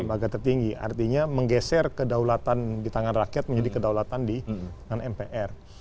lembaga tertinggi artinya menggeser kedaulatan di tangan rakyat menjadi kedaulatan di mpr